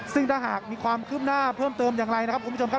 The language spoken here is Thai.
ซึ่งถ้าหากมีความคืบหน้าเพิ่มเติมอย่างไรนะครับคุณผู้ชมครับ